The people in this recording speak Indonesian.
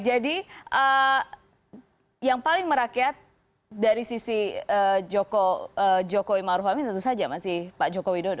jadi yang paling merakyat dari sisi jokowi ma'ruf amin tentu saja masih pak jokowi dodo